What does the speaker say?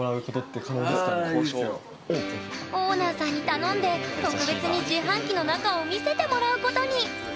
オーナーさんに頼んで特別に自販機の中を見せてもらうことに！